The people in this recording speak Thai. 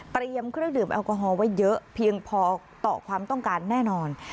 เครื่องดื่มแอลกอฮอลไว้เยอะเพียงพอต่อความต้องการแน่นอน